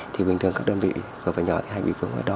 thì bình thường các đơn vị vừa và nhỏ thì hay bị vừa ngoài đó